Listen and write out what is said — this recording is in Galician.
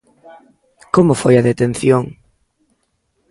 Como foi a detención?